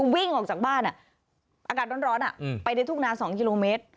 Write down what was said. วิ่งออกจากบ้านอากาศร้อนไปในทุ่งนา๒กิโลเมตร